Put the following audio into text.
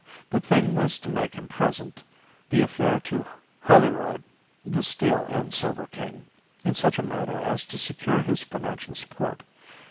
The thing was to make him present the affair to Holroyd (the Steel and Silver King) in such a manner as to secure his financial support.